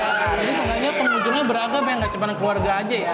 jadi seharusnya penghujungnya beragam ya gak cuma keluarga aja ya